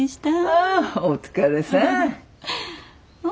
ああお疲れさん。